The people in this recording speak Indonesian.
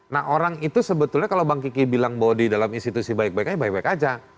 nah orang itu sebetulnya kalau bang kiki bilang bodi dalam institusi baik baiknya baik baik aja